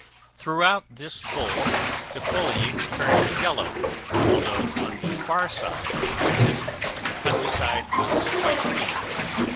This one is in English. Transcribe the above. Throughout this bowl the foliage turned yellow, although on the far side of the ridges the countryside was quite green.